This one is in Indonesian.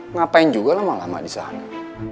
ngapain juga lama lama di sana